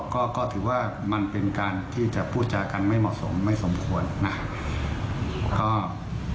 ก็ก็ถือว่ามันเป็นการที่จะพูดจากันไม่เหมาะสมไม่สมควรนะครับ